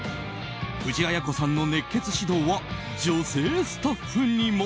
藤あや子さんの熱血指導は女性スタッフにも。